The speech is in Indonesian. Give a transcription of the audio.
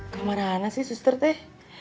kemana mana sih suster teh